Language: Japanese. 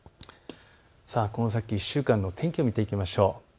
この先１週間の天気を見ていきましょう。